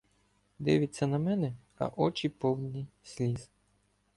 Дивиться на мене, а очі повні сліз.